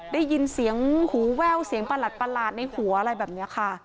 ได้ยินเสียงหูแว่วเสียงประหลาดในหัวอะไรแบบนี้ค่ะ